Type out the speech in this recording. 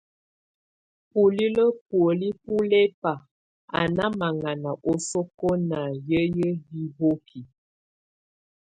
Bulilǝ́ bùóli bɔ́ lɛ́ ba á ná maŋana osókó ná hiǝ́yi hihoki.